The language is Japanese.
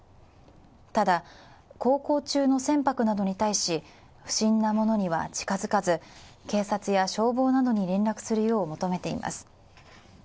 ただ航行中の船舶などに対し、不審なものには近づかず、警察や消防などに連絡するよう求めています。